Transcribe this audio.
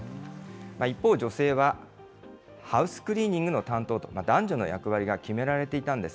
一方、女性は、ハウスクリーニングの担当と、男女の役割が決められていたんです。